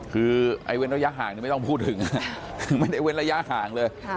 คือไอ้เว้นระยะห่างไม่ต้องพูดถึงไม่ได้เว้นระยะห่างเลย